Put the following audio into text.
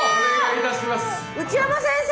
内山先生。